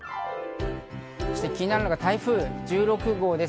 気になるのが台風１６号です。